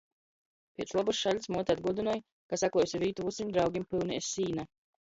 Piec lobys šaļts muote atguodynoj, ka sakluojuse vītu vysim draugim pyunē iz sīna.